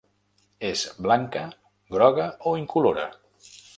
És blanca, groga o incolora.